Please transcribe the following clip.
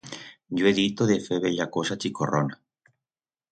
Yo he dito de fer bella cosa chicorrona.